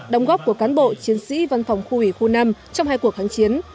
đồng góp của cán bộ chiến sĩ văn phòng khu ủy khu năm trong hai cuộc kháng chiến